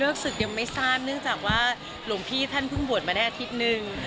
ศึกยังไม่ทราบเนื่องจากว่าหลวงพี่ท่านเพิ่งบวชมาได้อาทิตย์นึง